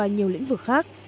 nhiều lĩnh vực khác